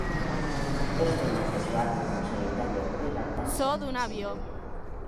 Dos temas de su álbum en solitario Private Dancer se incluyen.